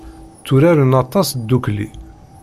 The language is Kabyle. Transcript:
Tturaren aṭas ddukkli.